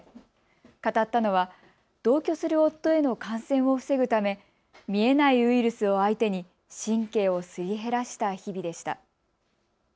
語ったのは同居する夫への感染を防ぐため見えないウイルスを相手に神経をすり減らした日々でした。